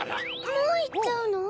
もういっちゃうの？